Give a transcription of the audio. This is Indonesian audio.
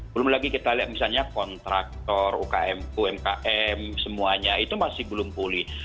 belum lagi kita lihat misalnya kontraktor umkm semuanya itu masih belum pulih